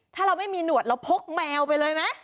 ถ้าเราไม่มีหนวดเราพกแมวไปเลยไหม